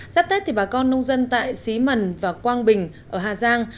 giáp tết thì bà con nông dân tại xí mần và quang bình ở hà giang